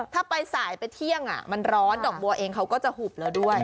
ถ้าไปสายไปเที่ยงมันร้อนดอกบัวเองเขาก็จะหุบแล้วด้วย